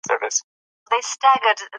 پسه د افغانستان د انرژۍ د سکتور برخه ده.